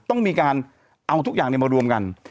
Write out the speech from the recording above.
ต้องเอาทุกอย่างเนี่ยมารวมกัน